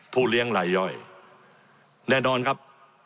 เลี้ยงลายย่อยแน่นอนครับ